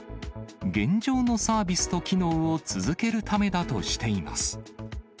現状のサービスと機能を続けるためだとしています。